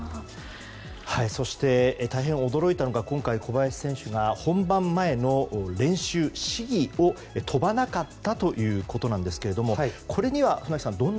そして大変驚いたのが今回、小林選手が本番前の練習試技を飛ばなかったということなんですがこれには船木さん